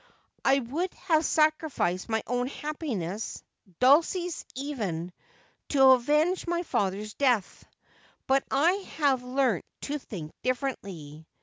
I would have sacrificed my own happiness, Dulcie's even, to avenge my father's death. But I have learnt to think differently.